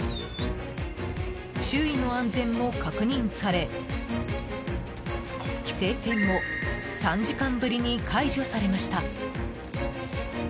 周囲の安全も確認され、規制線も３時間ぶりに解除されました。